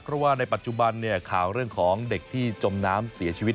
เพราะว่าในปัจจุบันเนี่ยข่าวเรื่องของเด็กที่จมน้ำเสียชีวิต